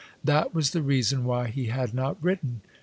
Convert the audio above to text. That was the reason why he had not written.